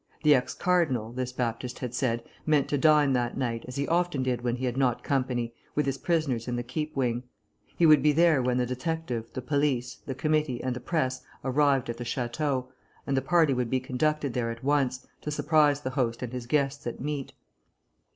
The ex cardinal, this Baptist had said, meant to dine that night, as he often did when he had not company, with his prisoners in the Keep Wing. He would be there when the detective, the police, the committee, and the press arrived at the château, and the party would be conducted there at once, to surprise the host and his guests at meat.